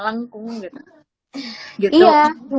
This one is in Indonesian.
bingung gitu juga